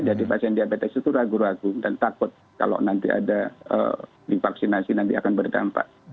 jadi pasien diabetes itu ragu ragu dan takut kalau nanti ada divaksinasi nanti akan berdampak